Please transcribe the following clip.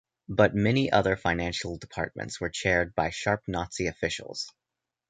But many other financial departments were chaired by sharp Nazi officials.